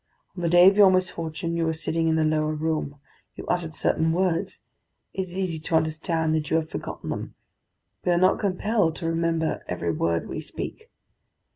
On the day of your misfortune, you were sitting in the lower room; you uttered certain words; it is easy to understand that you have forgotten them. We are not compelled to remember every word we speak.